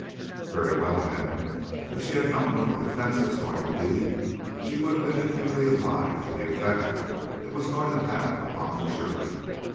"Very well, then. If she had known what the defence was going to be she would have been acutely alive to the effect it was going to have upon the jury.